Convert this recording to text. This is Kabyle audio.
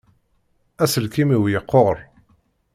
Aselkim-iw yeqquṛ.